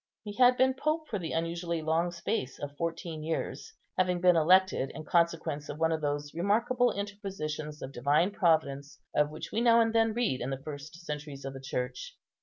He had been pope for the unusually long space of fourteen years, having been elected in consequence of one of those remarkable interpositions of Divine Providence of which we now and then read in the first centuries of the Church.